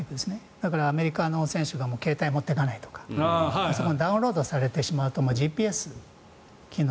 だからアメリカの選手が携帯を持っていかないとかダウンロードされてしまうとＧＰＳ機能。